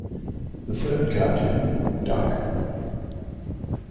The third cartoon, Duck!